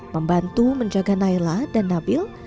membantu menjaga naila dan nabil